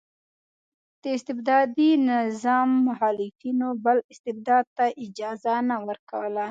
د استبدادي نظام مخالفینو بل استبداد ته اجازه نه ورکوله.